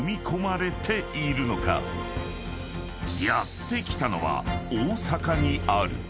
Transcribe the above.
［やって来たのは大阪にある］